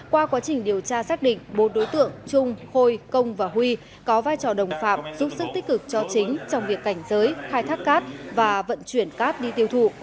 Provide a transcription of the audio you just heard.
qua quá trình điều tra xác định bốn đối tượng trung khôi công và huy có vai trò đồng phạm giúp sức tích cực cho chính trong việc cảnh giới khai thác cát và vận chuyển cát đi tiêu thụ